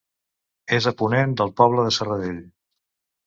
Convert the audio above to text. És a ponent del poble de Serradell.